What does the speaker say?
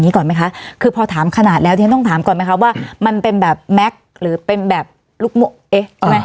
อย่างงี้ก่อนไหมคะคือพอถามขนาดแล้วที่ฉันต้องถามก่อนไหมครับว่ามันเป็นแบบแม็กซ์หรือเป็นแบบลูกหมู่เอ๊ะ